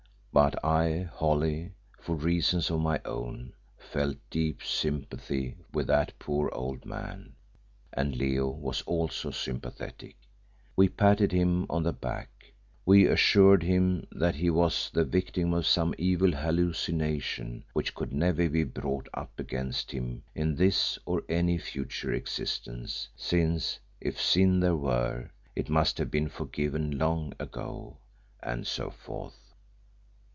But I, Holly, for reasons of my own, felt deep sympathy with that poor old man, and Leo was also sympathetic. We patted him on the back; we assured him that he was the victim of some evil hallucination which could never be brought up against him in this or any future existence, since, if sin there were, it must have been forgiven long ago, and so forth.